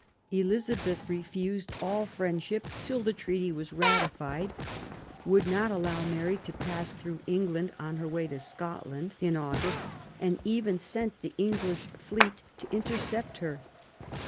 Elizabeth refused all friend ship till the treat}' was ratified, would not allow Mary to pass through England on her way to Scot land in August, and even sent the English fleet to intercept her.